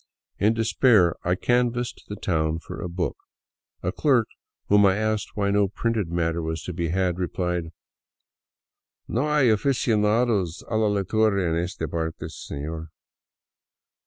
In despair I canvassed the town for a book. A clerk whom I asked why no printed matter was to be had, replied :" No hay aficionados a la lectura en estas partes, senor."